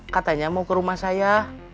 katanya mau ke rumah saya